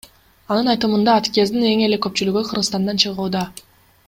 Анын айтымында, аткездин эң эле көпчүлүгү Кыргызстандан чыгууда.